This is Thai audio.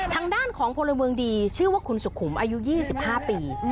ทางด้านของพลเมืองดีชื่อว่าคุณสุขุมอายุ๒๕ปี